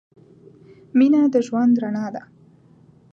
مینه د ژوند رڼا ده.